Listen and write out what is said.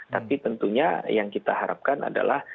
tapi tentunya yang kita harapkan adalah